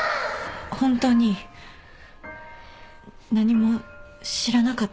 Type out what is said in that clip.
ホントに何も知らなかったの。